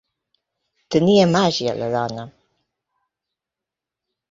Tenia màgia, la dona.